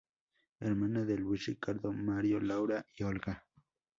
Hermana de Luis Ricardo, Mario, Laura y Olga.